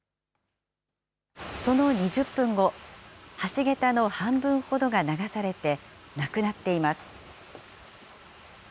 その２０分後、橋桁の半分ほどが流されて、なくなっています。